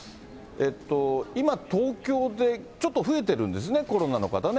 今、東京でちょっと増えてるんですね、コロナの方ね。